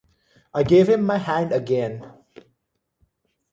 I gave him my hand again.